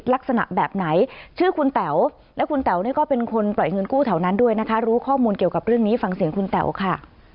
และคุณแต๋วเนี่ยก็เป็นคนปล่อยเงินกู้เท่านั้นด้วยนะคะรู้ข้อมูลเกี่ยวกับเรื่องนี้ฟังเสียงคุณแต๋วค่ะ